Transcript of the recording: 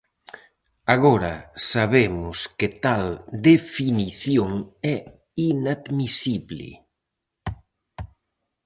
Agora sabemos que tal definición é inadmisible.